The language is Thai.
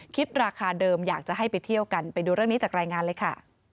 คิดราคาเดิมอยากจะให้ไปเที่ยวกันไปดูเรื่องนี้จากรายงานเลยค่ะ